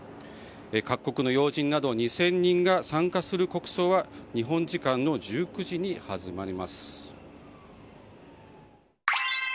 各国の要人など２０００人が参加する国葬は日本時間の１９時に始まります。